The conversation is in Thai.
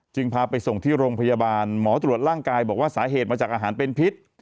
พาไปส่งที่โรงพยาบาลหมอตรวจร่างกายบอกว่าสาเหตุมาจากอาหารเป็นพิษ